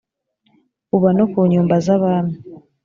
uba no ku nyumba z abami